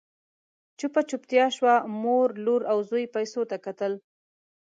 چوپه چوپتيا شوه، مور، لور او زوی پيسو ته کتل…